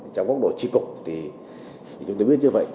trong góc độ tri cục thì chúng tôi biết như vậy